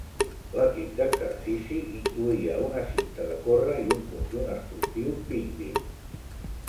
L'equip d'exercici incloïa una cinta de córrer i un conjunt esportiu Pingvin.